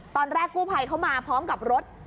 ตอนแรกกู้ภัยเขามาพร้อมกับรถ